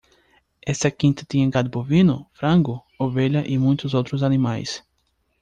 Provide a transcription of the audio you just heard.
Esta quinta tinha gado bovino? frango? ovelha e muitos outros animais.